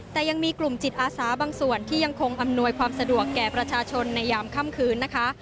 แต่ยังมีกลุ่มจิตอาสาบางส่วนที่ยังคงอำนวยความสะดวกแก่ประชาชนในยามค่ำคืนนะคะ